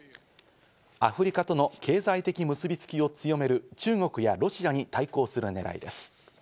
アフリカとの経済的結びつきを強める中国やロシアに対抗するねらいです。